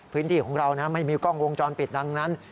พื้นที่ของเราไม่มีกล้องวงจรปิดดังนั้น